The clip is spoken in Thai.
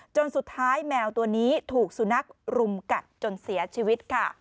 จนสุดท้ายแมวตัวนี้ถูกสุนัขรุมกัดจนเสียชีวิตค่ะ